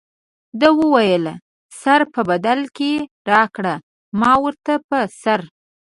ده وویل سر په بدل کې راکړه ما ورته په سر.